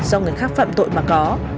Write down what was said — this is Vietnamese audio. do người khác phạm tội mà có